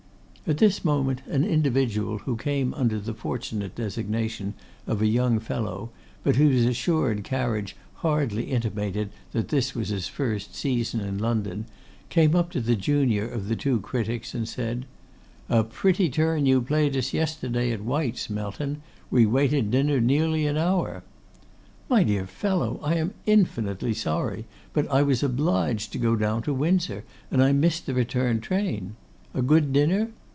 At this moment an individual who came under the fortunate designation of a young fellow, but whose assured carriage hardly intimated that this was his first season in London, came up to the junior of the two critics, and said, 'A pretty turn you played us yesterday at White's, Melton. We waited dinner nearly an hour.' 'My dear fellow, I am infinitely sorry; but I was obliged to go down to Windsor, and I missed the return train. A good dinner?